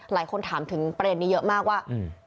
หลายคนถามถึงประเด็นนี้เยอะมากว่า